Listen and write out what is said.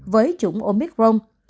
với trùng omicron